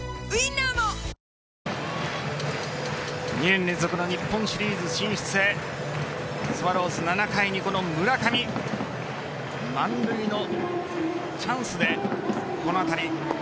２年連続の日本シリーズ進出へスワローズ、７回にこの村上満塁のチャンスでこの当たり。